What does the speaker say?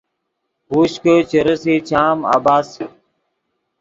ہوش کہ چے رېسئے چام عبث